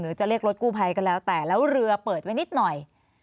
จะเรียกรถกู้ภัยก็แล้วแต่แล้วเรือเปิดไว้นิดหน่อย